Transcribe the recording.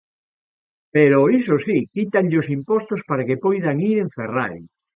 Pero, iso si, quítanlle os impostos para que poidan ir en Ferrari.